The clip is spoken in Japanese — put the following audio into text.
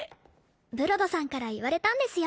ブロドさんから言われたんですよ